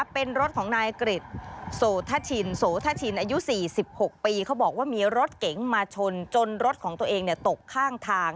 เป็นรถของนายกริจโสธชินโสธชินอายุ๔๖ปีเขาบอกว่ามีรถเก๋งมาชนจนรถของตัวเองตกข้างทาง